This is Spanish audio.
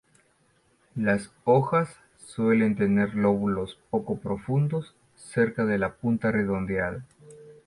Las hojas suelen tener lóbulos poco profundos cerca de la punta redondeada.